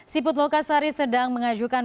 siput lokasari sedang mengajukan